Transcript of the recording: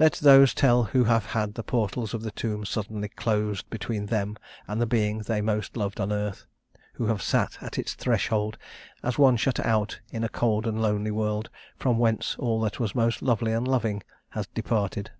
Let those tell who have had the portals of the tomb suddenly closed between them and the being they most loved on earth who have sat at its threshold, as one shut out in a cold and lonely world, from whence all that was most lovely and loving had departed.